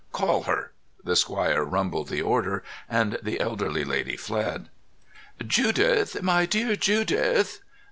"Call her!" The squire rumbled the order, and the elderly lady fled. "Judith, my dear, Judith!"